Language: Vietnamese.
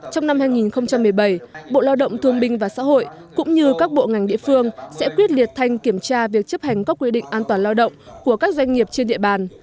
trong năm hai nghìn một mươi bảy bộ lao động thương binh và xã hội cũng như các bộ ngành địa phương sẽ quyết liệt thanh kiểm tra việc chấp hành các quy định an toàn lao động của các doanh nghiệp trên địa bàn